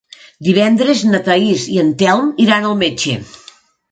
Divendres na Thaís i en Telm iran al metge.